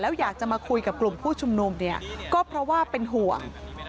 แล้วอยากจะมาคุยกับกลุ่มผู้ชุมนุมเนี่ยก็เพราะว่าเป็นห่วง